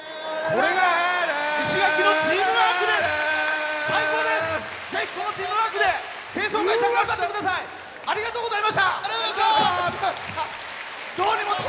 これが石垣のチームワークです。